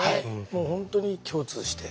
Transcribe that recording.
もう本当に共通して。